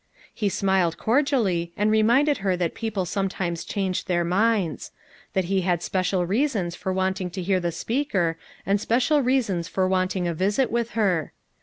He smiled cordially and reminded her that people sometimes changed their minds; that he had special reasons for wanting to hear the speaker and special reasons for wanting a visit with her.